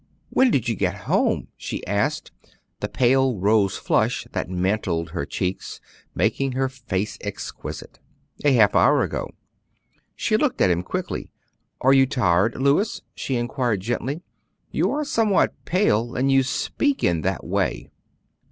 "When did you get home?" she asked, the pale rose flush that mantled her cheeks making her face exquisite. "A half an hour ago." She looked at him quickly. "Are you tired, Louis?" she inquired gently. "You are somewhat pale, and you speak in that way."